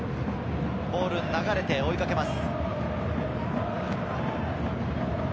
ボールが流れて追いかけます。